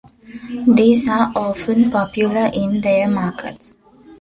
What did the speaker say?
These are often popular in their markets.